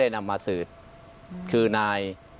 อันดับที่สุดท้าย